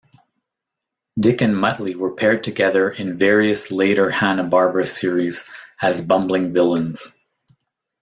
Dick and Muttley were paired together in various later Hanna-Barbera series as bumbling villains.